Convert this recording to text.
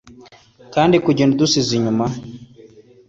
kandi, kugenda, udusize inyuma